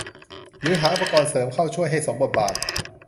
หรือหาอุปกรณ์เสริมเข้ามาช่วยให้สมบทบาท